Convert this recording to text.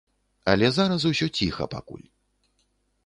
Але зараз усё ціха пакуль.